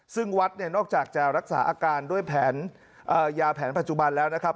ซึ่งวัดเนี่ยนอกจากจะรักษาอาการด้วยแผนยาแผนปัจจุบันแล้วนะครับ